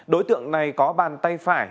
đối tượng này có bàn tay phải